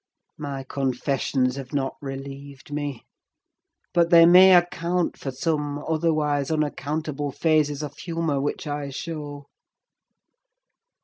My confessions have not relieved me; but they may account for some otherwise unaccountable phases of humour which I show.